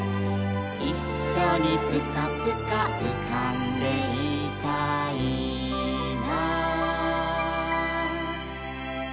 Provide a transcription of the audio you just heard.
「いっしょにプカプカうかんでいたいな」